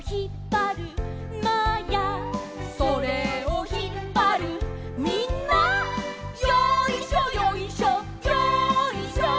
「それをひっぱるみんな」「よいしょよいしょよいしょ」